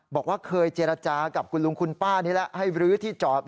บอกว่าเคยเจรจากับคุณลุงคุณป้านี้แล้วให้รื้อที่จอด